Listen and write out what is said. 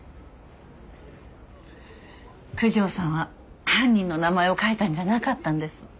九条さんは犯人の名前を書いたんじゃなかったんです。